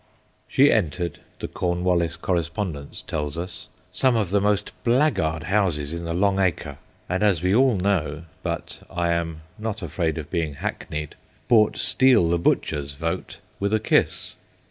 She entered, the Cornwallis Correspondence tells us, ' some of the most blackguard houses in the Long Acre/ and as we all know but I am not afraid of being hackneyed bought THE KINDEST HEART ... 39 Steel the butcher's vote with a kiss.